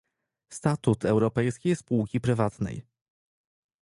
Statut europejskiej spółki prywatnej